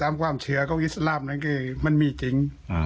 ตามความเชื้ออิสลามนั้นก็มันมีจริง